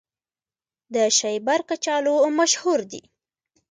د شیبر کچالو مشهور دي